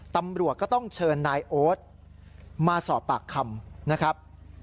ตำรวจก็ต้องเชิญนายโอ๊ตมาสอบปากคำนะครับ